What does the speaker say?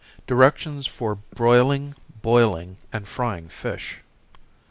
_Directions for Broiling, Boiling and Frying Fish.